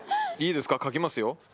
いいですか描きますよ。